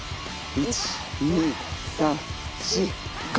１２３４５。